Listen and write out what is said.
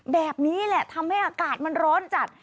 แบบนี้แหละทำให้อากาศมันร้อนจัด